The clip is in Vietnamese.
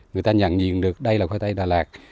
người ta nhận nhìn được đây là khoai tây đà lạt